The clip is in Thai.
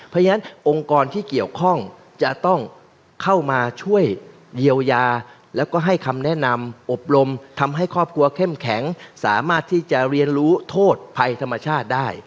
เพราะฉะนั้นองค์กรที่เกี่ยวข้องจะต้องเข้ามาช่วยเยียวยาแล้วก็ให้คำแนะนำอบรมทำให้ครอบครัวเข้มแข็งสามารถที่จะเรียนรู้โทษภัยธรรมชาติได้